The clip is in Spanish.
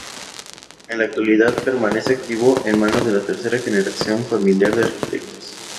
En la actualidad, permanece activo en manos de la tercera generación familiar de arquitectos.